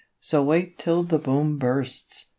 So wait till the Boom bursts!